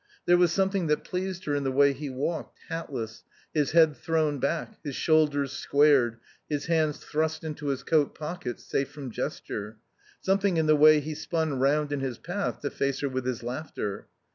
There was something that pleased her in the way he walked, hatless, his head thrown back, his shoulders squared, his hands thrust into his coat pockets, safe from gesture; something in the way he spun round in his path to face her with his laughter.